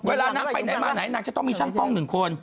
เวลานางไปไหนมาไหนนางจะต้องมีช่างกล้องหนึ่งคน